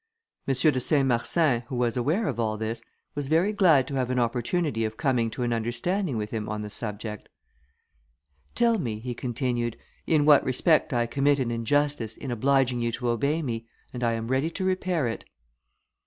M. de Saint Marsin, who was aware of all this, was very glad to have an opportunity of coming to an understanding with him on the subject. "Tell me," he continued, "in what respect I commit an injustice, in obliging you to obey me, and I am ready to repair it."